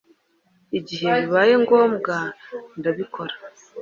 igihe bibaye ngombwa ndabikora